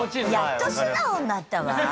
やっと素直になったわ。